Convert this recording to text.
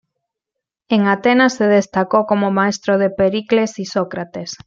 En Atenas se destacó como maestro de Pericles y Sócrates.